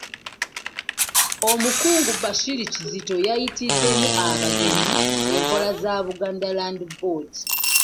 Omukungu Bashir Kizito yayitidde mu bagenyi enkola za Buganda Land Board.